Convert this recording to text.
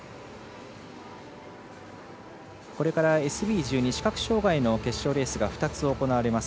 これから、ＳＢ１２視覚障がいの決勝レースが２つ行われます。